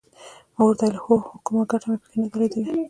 ما ورته وویل هو خو کومه ګټه مې پکې نه ده لیدلې.